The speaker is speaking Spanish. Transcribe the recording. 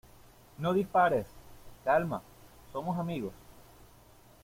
¡ No dispares! Calma. somos amigos .